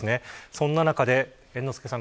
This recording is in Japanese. そんな中で、猿之助さん